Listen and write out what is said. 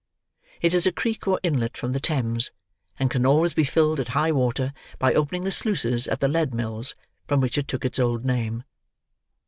It is a creek or inlet from the Thames, and can always be filled at high water by opening the sluices at the Lead Mills from which it took its old name.